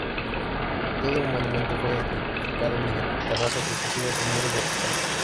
Todo el monumento fue edificado mediante terrazas sucesivas de muros verticales.